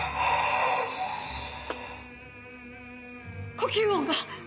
呼吸音が！